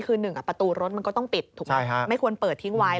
คือหนึ่งประตูรถมันก็ต้องปิดไม่ควรเปิดทิ้งไวท์